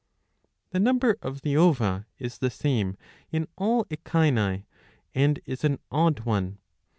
*^ The number of the ova is the same in all Echini, and is an odd one.